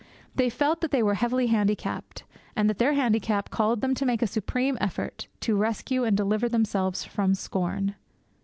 They felt that they were heavily handicapped, and that their handicap called them to make a supreme effort 'to rescue and deliver themselves from scorn.'